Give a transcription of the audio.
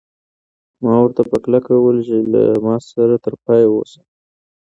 ما ورته په کلکه وویل چې له ما سره تر پایه اوسه.